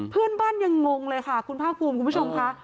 เพื่อนบ้านยังงงเลยค่ะคุณภาคภูมิคุณผู้ชมค่ะ